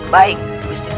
baik gusti prabu